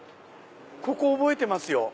ここ覚えてますよ。